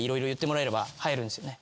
入るんすよね。